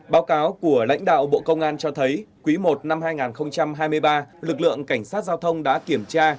báo cáo của lãnh đạo bộ công an cho thấy quý i năm hai nghìn hai mươi ba lực lượng cảnh sát giao thông đã kiểm tra